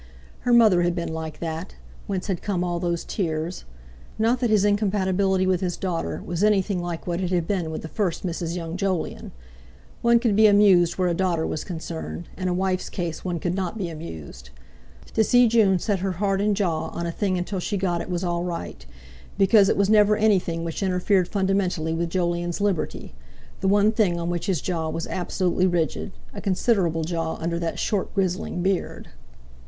Her mother had been like that, whence had come all those tears. Not that his incompatibility with his daughter was anything like what it had been with the first Mrs. Young Jolyon. One could be amused where a daughter was concerned; in a wife's case one could not be amused. To see June set her heart and jaw on a thing until she got it was all right, because it was never anything which interfered fundamentally with Jolyon's liberty—the one thing on which his jaw was also absolutely rigid, a considerable jaw, under that short grizzling beard.